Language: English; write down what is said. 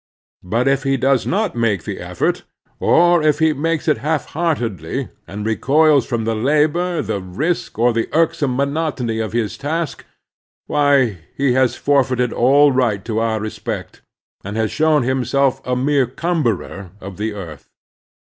But if he does not make the effort, or if he makes it half heartedly and recoils from the labor, the risk, or the irksome monotony of his task, why, he has forfeited all right to our respect, and has shown himself a mere cumberer of the earth.